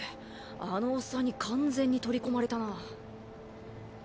あのオッサンに完全に取り込まれたな。